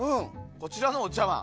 こちらのお茶わん